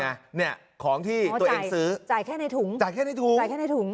เนี่ยของที่ตัวเองซื้อจ่ายแค่ในถุงจ่ายแค่ในถุง